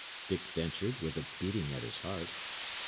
Dick ventured, with a beating at his heart.